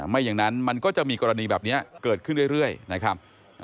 ไม่อย่างนั้นมันก็จะมีกรณีแบบนี้เกิดขึ้นเรื่อยนะครับ